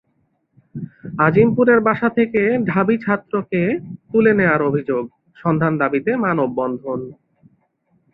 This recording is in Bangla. আজিমপুরের বাসা থেকে ঢাবি ছাত্রকে তুলে নেওয়ার অভিযোগ, সন্ধান দাবিতে মানববন্ধন